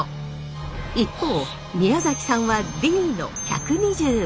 一方宮崎さんはＤの１２５。